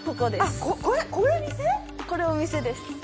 これお店です。